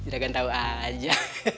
juragan tau aja